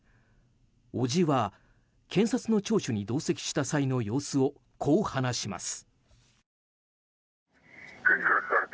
伯父は、検察の聴取に同席した際の様子をこう話します。